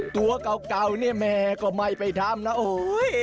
ตัวเก่าเนี่ยแม่ก็ไม่ไปทำนะโอ้ย